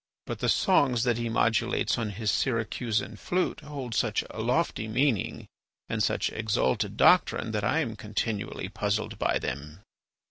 But the songs that he modulates on his Syracusan flute hold such a lofty meaning and such exalted doctrine that I am continually puzzled by them."